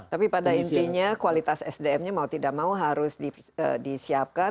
tapi pada intinya kualitas sdm nya mau tidak mau harus disiapkan